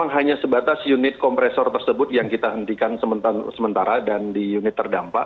hanya sebatas unit kompresor tersebut yang kita hentikan sementara dan di unit terdampak